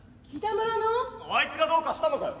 「あいつがどうかしたのかよ？」。